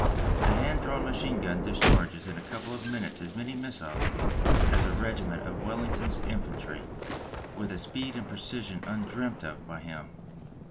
The hand drawn machine gun discharges in a couple of minutes as many missiles as a regiment of Wellington's infantry, with a speed and precision undreamt of by him.